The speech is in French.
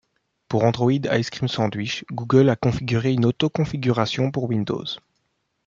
Pour Android Ice Cream Sandwich, Google a configuré une auto-configuration pour Windows.